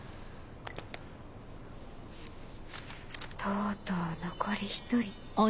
とうとう残り１人。